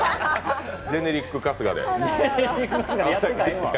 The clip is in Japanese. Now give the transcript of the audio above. ジェネリック春日で。